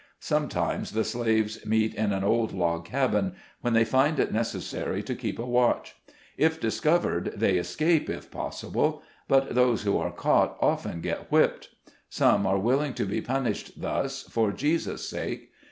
Sometimes the slaves meet in an old log cabin, when they find it necessary to keep a watch. If discov ered, they escape, if possible ; but those who are caught often get whipped. Some are willing to be punished thus for Jesus' sake.